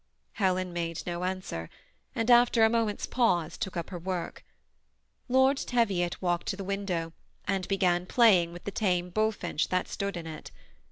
Helen made no answer, and after a moment's pause 74 TBS BSMI ATrACHKD COUPLB. took up her work. Lord Teviot walked to the wmdow and began plaTUig with the tame bullfinch that stood in it.